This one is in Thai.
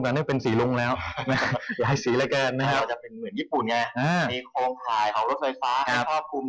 ก็เป็นภาคลักร์เริ่มลงทุน